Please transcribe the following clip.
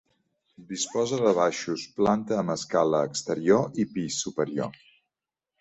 Disposa de baixos, planta amb escala exterior i pis superior.